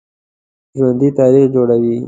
ژوندي تاریخ جوړوي